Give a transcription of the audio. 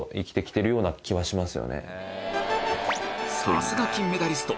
さすが金メダリスト